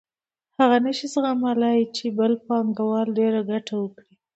هغه نشي زغملای چې بل پانګوال ډېره ګټه وکړي